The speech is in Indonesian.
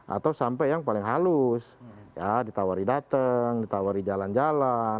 atau sampai yang paling halus ya ditawari datang ditawari jalan jalan